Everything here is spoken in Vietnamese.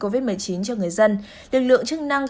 covid một mươi chín cho người dân lực lượng chức năng